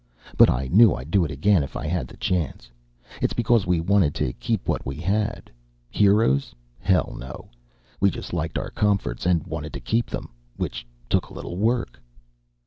But I knew I'd do it again, if I had the chance. It's because we wanted to keep what we had. Heroes? Hell, no. We just liked our comforts, and wanted to keep them. Which took a little work.